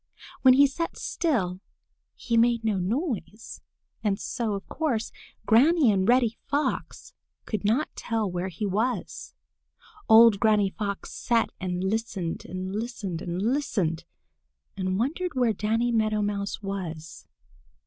When he sat still he made no noise, and so of course Granny and Reddy Fox could not tell where he was. Old Granny Fox sat and listened and listened and listened, and wondered where Danny Meadow Mouse was.